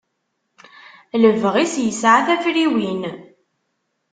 Lebɣi-is yesɛa tafriwin.